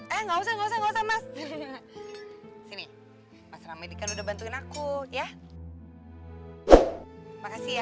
eh nggak usah usah usah mas sini mas ramadi kan udah bantuin aku ya makasih ya